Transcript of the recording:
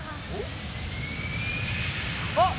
あっ！